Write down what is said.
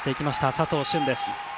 佐藤駿です。